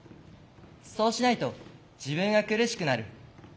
そうしないと自分が苦しくなる。